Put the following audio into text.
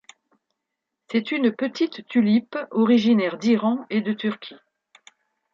C'est une petite tulipe originaire d'Iran et de Turquie.